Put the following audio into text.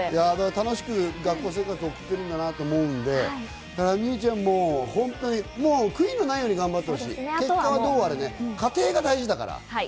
楽しく学校生活を送っていると思うんで美羽ちゃんももう悔いのないように頑張ってほしい、結果はどうあれね、過程が大事だから。